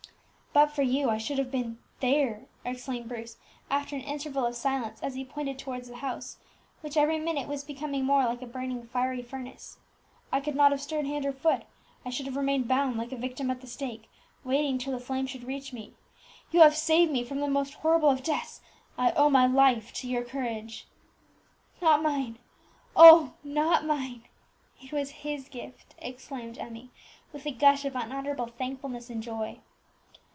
"But for you I should now have been there!" exclaimed Bruce, after an interval of silence, as he pointed towards the house, which every minute was becoming more like a burning fiery furnace. "I could not have stirred hand or foot; I should have remained bound, like victim at the stake, waiting till the flames should reach me. You have saved me from the most horrible of deaths; I owe my life to your courage." "Not mine! oh, not mine! it was His gift!" exclaimed Emmie, with a gush of unutterable thankfulness and joy.